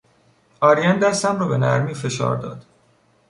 آرین دستم را به نرمی فشار داد.